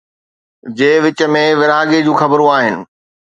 جي وچ ۾ ورهاڱي جون خبرون آهن